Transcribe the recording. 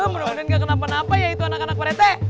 bener bener gak kenapa napa ya itu anak anak pak rete